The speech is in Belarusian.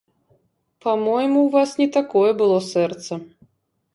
Па-мойму, у вас не такое было сэрца.